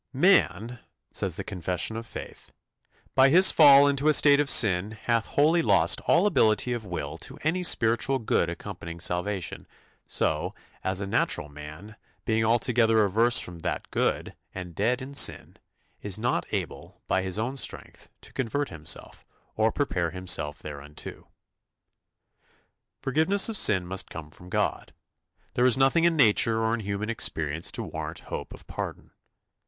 "Man," says the Confession of Faith, "by his fall into a state of sin, hath wholly lost all ability of will to any spiritual good accompanying salvation; so, as a natural man, being altogether averse from that good, and dead in sin, is not able, by his own strength, to convert himself, or prepare himself thereunto." Forgiveness of sin must come from God. There is nothing in nature or in human experience to warrant hope of pardon.